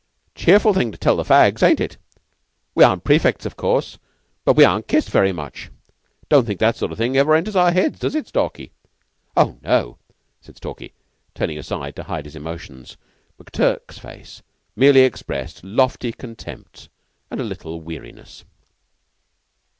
Cheerful thing to tell the fags, ain't it? We aren't prefects, of course, but we aren't kissed very much. Don't think that sort of thing ever enters our heads; does it, Stalky?" "Oh, no!" said Stalky, turning aside to hide his emotions. McTurk's face merely expressed lofty contempt and a little weariness.